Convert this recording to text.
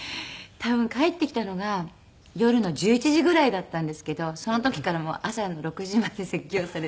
多分帰ってきたのが夜の１１時ぐらいだったんですけどその時から朝の６時まで説教されて。